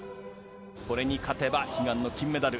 これに勝てば、悲願の金メダル。